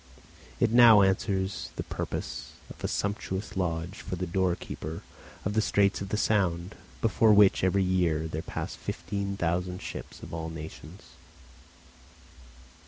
It now answers the purpose of a sumptuous lodge for the doorkeeper of the straits of the Sound, before which every year there pass fifteen thousand ships of all nations.